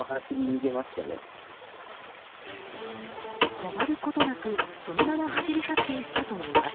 止まることなく、そのまま走り去っていったといいます。